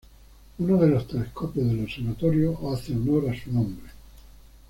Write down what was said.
Uno de los telescopios del observatorio hace honor a su nombre.